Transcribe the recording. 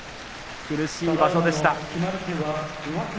苦しい場所でした。